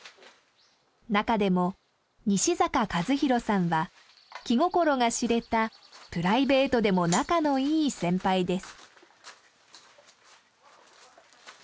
中でも西坂和洋さんは気心が知れたプライベートでも仲のいい先輩です。